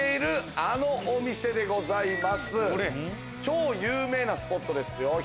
超有名なスポットですよ。